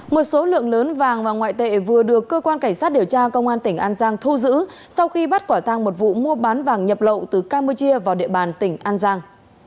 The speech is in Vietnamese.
một số lượng lớn vàng và ngoại tệ vừa được cơ quan cảnh sát điều tra công an tỉnh an giang thu giữ sau khi bắt quả thang một vụ mua bán vàng nhập lậu từ campuchia vào địa bàn tỉnh an giang